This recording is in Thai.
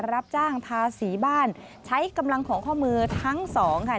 รับจ้างทาสีบ้านใช้กำลังของข้อมือทั้งสองค่ะ